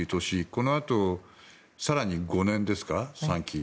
このあと、更に５年ですか３期。